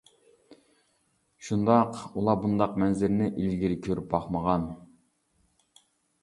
شۇنداق، ئۇلار بۇنداق مەنزىرىنى ئىلگىرى كۆرۈپ باقمىغان.